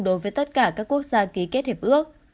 đối với tất cả các quốc gia ký kết hiệp ước